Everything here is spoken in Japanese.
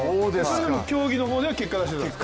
でも競技の方では結果出してたんですか。